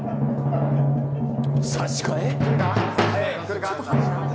差し替え。